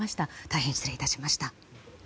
大変失礼致しました。